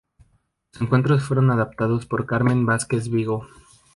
Los cuentos fueron adaptados por Carmen Vázquez Vigo.